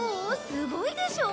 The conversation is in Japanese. すごいでしょ？